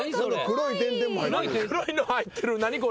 黒い点々も入ってる。